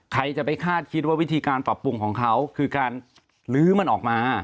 ใครจะไปคาดคิดว่าวิธีการปรับปรุงของเขาคือการลื้อมันออกมา